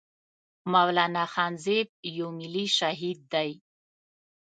مولانا خانزيب يو ملي شهيد دی